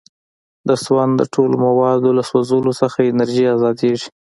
د سون د ټولو موادو له سوځولو څخه انرژي ازادیږي.